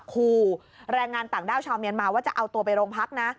คู่แรงงานต่างด้าวชาวเมียนมาว่าจะเอาตัวไปโรงพักนะ